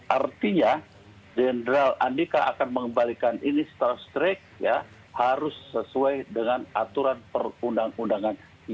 artinya general andika akan mengembalikan ini secara straight ya harus sesuai dengan aturan perundang undangan yang diperlukan